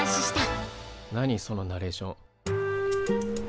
何そのナレーション。